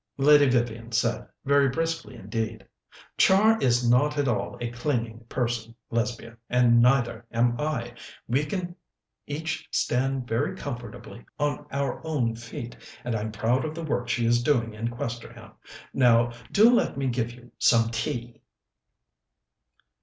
Lady Vivian said, very briskly indeed: "Char is not at all a clinging person, Lesbia, and neither am I. We can each stand very comfortably on our own feet, and I'm proud of the work she's doing in Questerham. Now, do let me give you some tea."